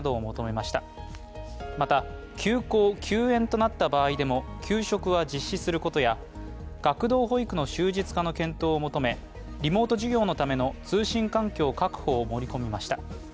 また、休校・休園となった場合でも給食は実施することや学童保育の終日化の検討を求め、リモート授業のための通信環境確保を盛り込みました。